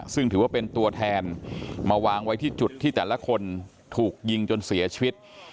ซึ่งถือว่าเป็นตัวแทนมาวางไว้ที่จุดที่แต่ละคนถูกยิงจนเสียชีวิต